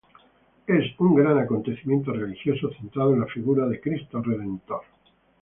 Es un gran acontecimiento religioso centrado en la figura de Cristo Redentor.